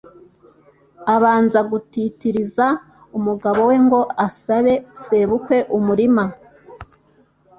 abanza gutitiriza umugabo we ngo asabe sebukwe umurima